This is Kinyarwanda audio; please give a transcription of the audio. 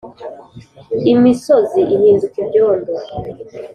imisozi ihinduka ibyondo.